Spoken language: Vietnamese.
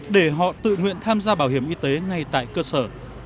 để họ tự nguyện tham gia bảo hiểm y tế ngay tại cơ sở